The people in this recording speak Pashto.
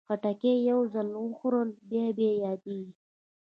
خټکی یو ځل خوړل بیا بیا یادېږي.